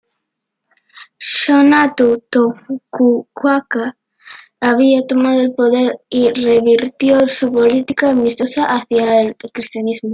Shogunato Tokugawa había tomado el poder y revirtió su política amistosa hacia el cristianismo.